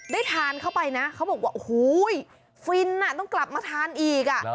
ได้ทานเข้าไปนะเขาบอกว่าโอ้โหฟินต้องกลับมาทานอีก